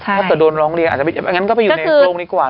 ถ้าเกิดโดนร้องเรียนก็ให้อยู่ในกรงนี่ก่อน